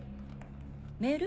メール？